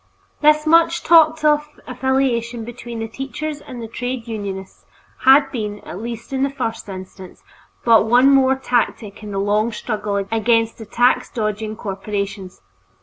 This much talked of affiliation between the teachers and the trades unionists had been, at least in the first instance, but one more tactic in the long struggle against the tax dodging corporations.